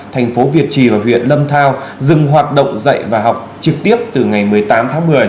thành phố việt trì và huyện lâm thao dừng hoạt động dạy và học trực tiếp từ ngày một mươi tám tháng một mươi